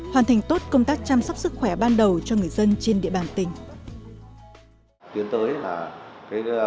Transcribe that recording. hoàn thành tốt công tác chăm sóc sức khỏe ban đầu cho người dân trên địa bàn tỉnh